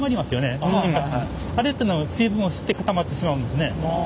あれっていうのは水分を吸って固まってしまうんですね。